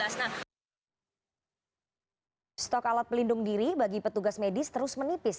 stok alat pelindung diri bagi petugas medis terus menipis